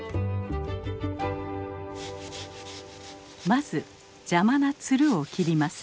まず邪魔なつるを切ります。